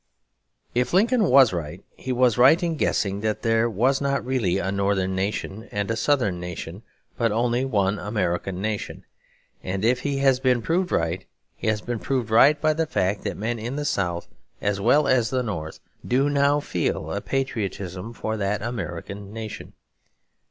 If Lincoln was right, he was right in guessing that there was not really a Northern nation and a Southern nation, but only one American nation. And if he has been proved right, he has been proved right by the fact that men in the South, as well as the North, do now feel a patriotism for that American nation.